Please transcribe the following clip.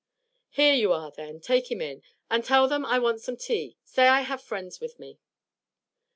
'Here you are then; take him in, and tell them I want some tea; say I have friends with me.'